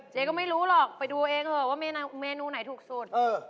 เจ๊ก็ไม่รู้หรอกไปดูเองเถอะว่าเมนูไหนถูกสุด